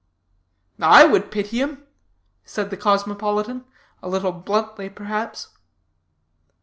'" "I would pity him," said the cosmopolitan, a little bluntly, perhaps.